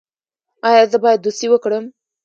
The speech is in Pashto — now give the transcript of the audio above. ایا زه باید دوستي وکړم؟